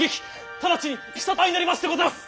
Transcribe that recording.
直ちに戦と相なりましてございます。